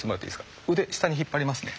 腕下に引っ張りますね。